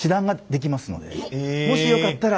もしよかったら。